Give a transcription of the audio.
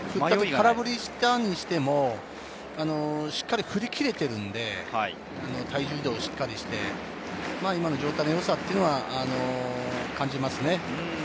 空振りにしても、しっかり振り切れているので、体重移動をしっかりして、今の状態の良さは感じますね。